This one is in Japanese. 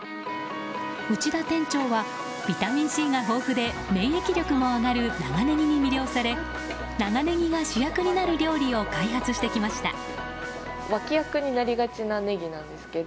内田店長は、ビタミンＣが豊富で免疫力も上がる長ネギに魅了され長ネギが主役になる料理を開発してきました。